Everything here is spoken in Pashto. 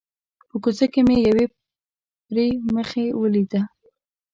په کوڅه کې مې یوې پري مخې ولیده.